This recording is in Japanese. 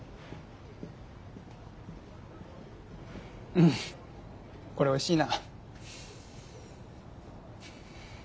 うんこれおいしいな。